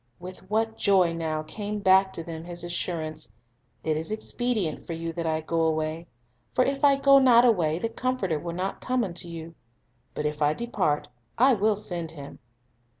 With what joy now came back to them His assurance: — "It is expedient for you that I go away; for if I go not away, the Comforter will not come unto you; but if I depart, I will send Him."